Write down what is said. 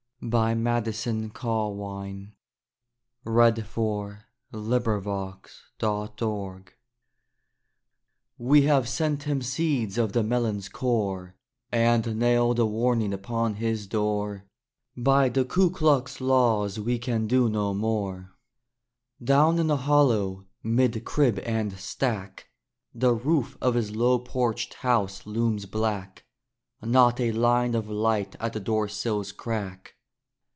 I said, "Would God that I could die!" Wearily. KU KLUX We have sent him seeds of the melon's core, And nailed a warning upon his door: By the Ku Klux laws we can do no more. Down in the hollow, 'mid crib and stack, The roof of his low porched house looms black; Not a line of light at the door sill's crack.